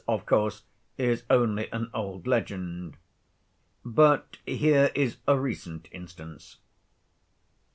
This, of course, is only an old legend. But here is a recent instance.